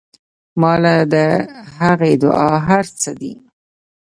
ما له د هغې دعا هر سه دي.